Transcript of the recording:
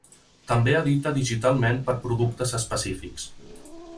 També edita digitalment per a productes específics.